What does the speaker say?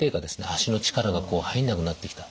足の力が入んなくなってきた。